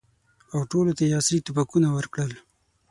او ټولو ته یې عصري توپکونه ورکړل.